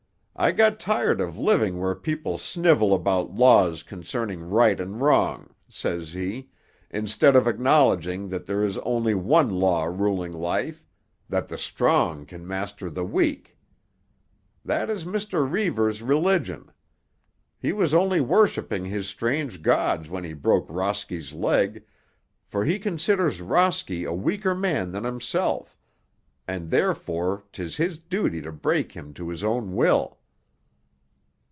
I got tired of living where people snivel about laws concerning right and wrong,' says he, 'instead of acknowledging that there is only one law ruling life—that the strong can master the weak.' That is Mr. Reivers' religion. He was only worshipping his strange gods when he broke Rosky's leg, for he considers Rosky a weaker man than himself, and therefore 'tis his duty to break him to his own will."